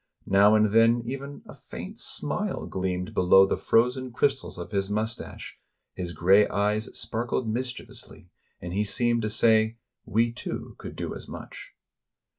Now and then, even, a faint smile gleamed below the frozen crystals of his mustache, his gray eyes sparkled mischievously, and he seemed to say: "We, too, could do as much."